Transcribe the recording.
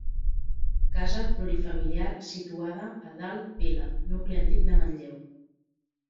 Casa plurifamiliar situada a Dalt Vila, nucli antic de Manlleu.